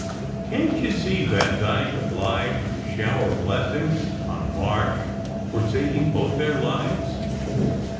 Can t you see Vandyke obliged to shower blessings on March for saving both their lives?"